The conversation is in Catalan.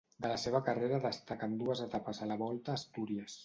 De la seva carrera destaquen dues etapes a la Volta a Astúries.